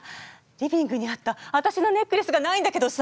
リビングにあったわたしのネックレスがないんだけどさ。